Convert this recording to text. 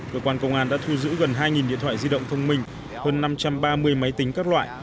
cơ quan công an đã thu giữ gần hai điện thoại di động thông minh hơn năm trăm ba mươi máy tính các loại